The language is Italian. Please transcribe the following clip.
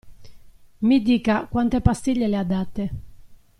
Mi dica quante pastiglie le ha date.